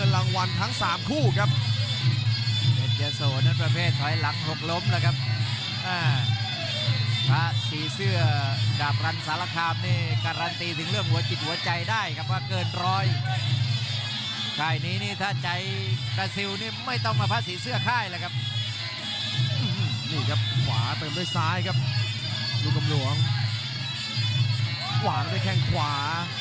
ลูกกำลวงหวางด้วยแข่งขวา